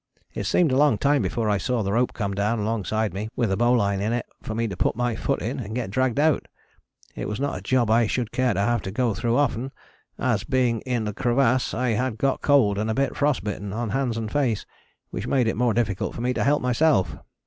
It seemed a long time before I saw the rope come down alongside me with a bowline in it for me to put my foot in and get dragged out. It was not a job I should care to have to go through often, as by being in the crevasse I had got cold and a bit frost bitten on the hands and face, which made it more difficult for me to help myself.